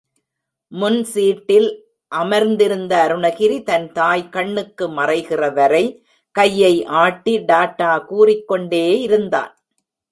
முன்சீட்டில் அமர்ந்திருந்த அருணகிரி தன் தாய் கண்ணுக்கு மறைகிறவரை கையை ஆட்டி டாடா கூறிக் கொண்டே இருந்தான்.